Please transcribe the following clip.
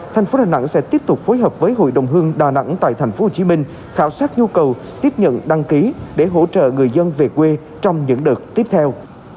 thành phố đà nẵng sẽ tiếp tục phối hợp với hội đồng hương đà nẵng tại thành phố hồ chí minh khảo sát nhu cầu tiếp nhận đăng ký để hỗ trợ người dân về quê trong những đợt tiếp theo